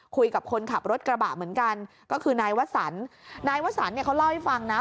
คุยกับคนขับรถกระบะเหมือนกันก็คือนายวสันนายวสันเนี่ยเขาเล่าให้ฟังนะ